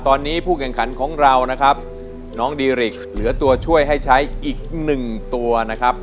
ตอนนี้ผู้แข่งขันของเรานะครับน้องดีริกเหลือตัวช่วยให้ใช้อีกหนึ่งตัวนะครับ